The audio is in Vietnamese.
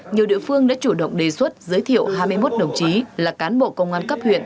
nhiều địa phương đã chủ động đề xuất giới thiệu hai mươi một đồng chí là cán bộ công an cấp huyện